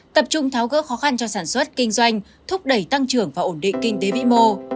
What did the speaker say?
tập trung tháo gỡ khó khăn cho sản xuất kinh doanh thúc đẩy tăng trưởng và ổn định kinh tế vĩ mô